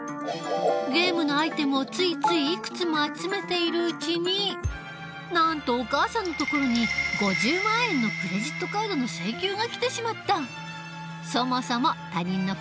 ゲームのアイテムをついついいくつも集めているうちになんとお母さんのところに５０万円のクレジットカードの請求が来てしまった。